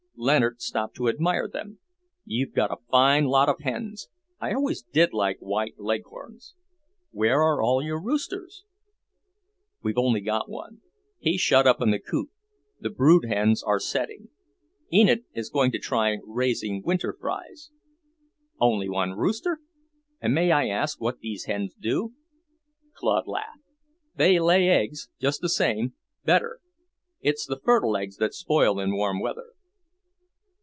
Leonard stopped to admire them. "You've got a fine lot of hens. I always did like white leghorns. Where are all your roosters?" "We've only got one. He's shut up in the coop. The brood hens are setting. Enid is going to try raising winter frys." "Only one rooster? And may I ask what these hens do?" Claude laughed. "They lay eggs, just the same, better. It's the fertile eggs that spoil in warm weather."